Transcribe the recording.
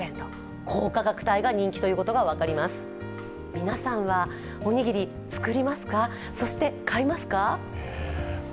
皆さんはおにぎり作りますか、そして、買いますか？